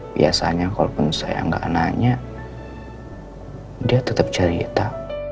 biasanya kalaupun saya nggak nanya dia tetap cerita